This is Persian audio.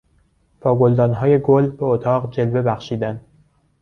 با گلدانهای گل به اتاق جلوه بخشیدن